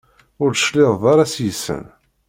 Ur d-tecliɛeḍ ara seg-sen?